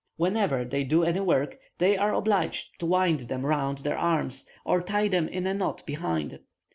Whenever they do any work, they are obliged to wind them round their arms, or tie them in a knot behind.